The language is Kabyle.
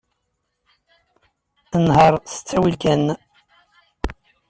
Nheṛ s ttawil kan.